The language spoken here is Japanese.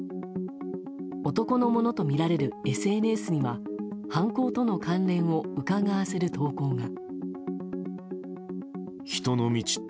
男のものとみられるＳＮＳには犯行との関連をうかがわせる投稿が。